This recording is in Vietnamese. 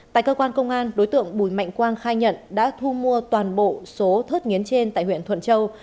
tại cơ quan công an đối tượng bùi mạnh quang khai nhận đã thu mua toàn bộ số thớt nghiến trên tại huyện thuận châu